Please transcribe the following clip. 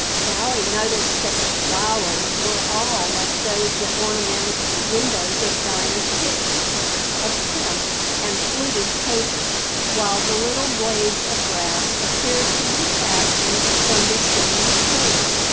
Sally noticed that the flowers were all like those that ornamented the windows of Dinah's kitchen—of crimped and fluted paper, while the little blades of grass appeared to be fashioned from the same material.